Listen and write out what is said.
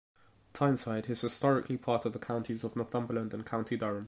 Tyneside is historically part of the counties of Northumberland and County Durham.